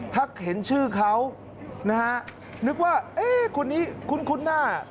ถ้าเห็นชื่อเขานึกว่าคนนี้คุ้นคุณหน้า